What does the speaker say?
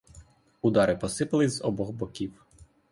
Удари посипались з обох боків.